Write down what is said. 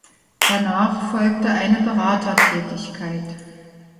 Danach folgte eine Beratertätigkeit.